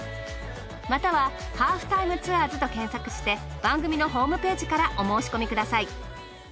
または『ハーフタイムツアーズ』と検索して番組のホームページからお申し込みください。